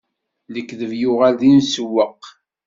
Lekdeb yuɣal d imsewweq.